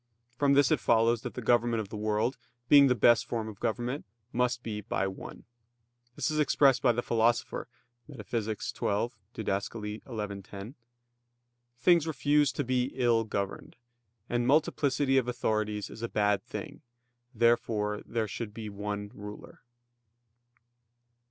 From this it follows that the government of the world, being the best form of government, must be by one. This is expressed by the Philosopher (Metaph. xii, Did. xi, 10): "Things refuse to be ill governed; and multiplicity of authorities is a bad thing, therefore there should be one ruler."